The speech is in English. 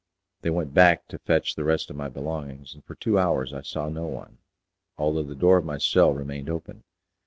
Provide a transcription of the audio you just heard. They went back to fetch the rest of my belongings, and for two hours I saw no one, although the door of my cell remained open.